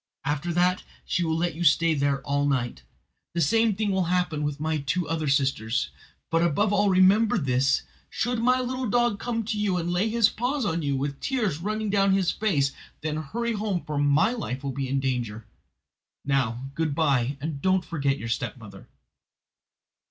After that she will let you stay there all night. The same thing will happen with my two other sisters. But, above all, remember this: should my little dog come to you and lay his paws on you, with tears running down his face, then hurry home, for my life will be in danger. Now, good bye, and don't forget your stepmother."